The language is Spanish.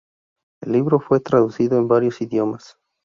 El libro fue traducido en varios idiomas.